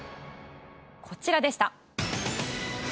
こちらでした。